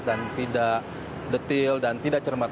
dan tidak detil dan tidak cermat